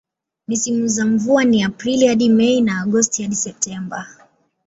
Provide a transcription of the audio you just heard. Misimu za mvua ni Aprili hadi Mei na Agosti hadi Septemba.